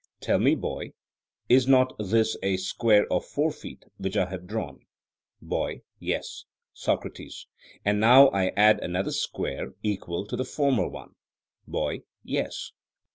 Tell me, boy, is not this a square of four feet which I have drawn? BOY: Yes. SOCRATES: And now I add another square equal to the former one? BOY: Yes.